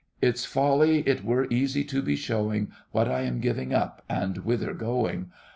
Its folly it were easy to be showing, What I am giving up and whither going.